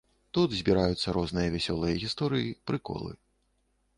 Тут збіраюцца розныя вясёлыя гісторыі, прыколы.